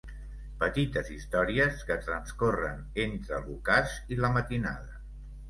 Petites històries que transcorren entre l'ocàs i la matinada.